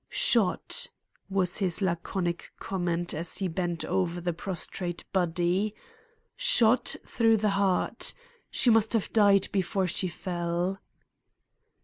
"Shot!" was his laconic comment as he bent over the prostrate body. "Shot through the heart! She must have died before she fell."